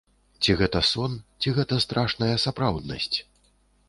Ці гэта сон, ці гэта страшная сапраўднасць?!